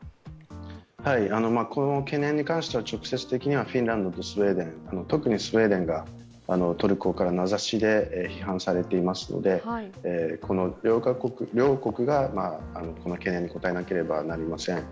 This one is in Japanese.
この懸念に関しては直接的にはフィンランドとスウェーデン、特にスウェーデンがトルコから名指しで批判されていますのでこの両国がこの懸念にこたえなければなりません。